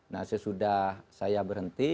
nah sesudah saya berhenti